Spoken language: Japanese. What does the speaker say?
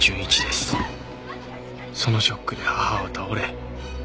そのショックで母は倒れ。